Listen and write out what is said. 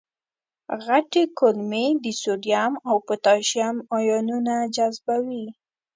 غټې کولمې د سودیم او پتاشیم آیونونه جذبوي.